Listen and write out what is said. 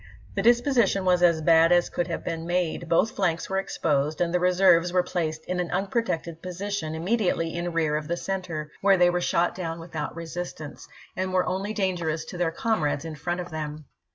The disposition was as bad as could have been made ; both flanks were exposed, and the reserves were placed in an unprotected position immediately in rear of the center, where they were shot down without resistance, and were only dangerous to their comrades in front of them.